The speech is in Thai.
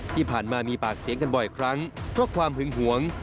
ที่ผ่านมามีปากเสียงกันบ่อยครั้งเพราะความหึงหวง